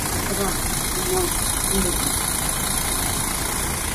Acabar, un mot, en vocal.